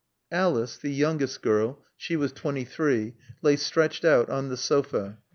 Alice, the youngest girl (she was twenty three) lay stretched out on the sofa.